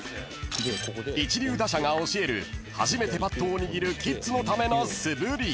［一流打者が教える初めてバットを握るキッズのための素振り］